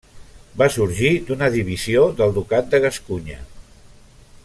Va sorgir d'una divisió del Ducat de Gascunya.